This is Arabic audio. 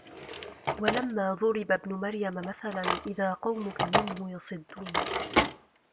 وَلَمّا ضُرِبَ ابنُ مَريَمَ مَثَلًا إِذا قَومُكَ مِنهُ يَصِدّونَ